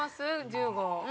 １５。